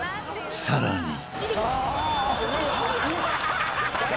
［さらに］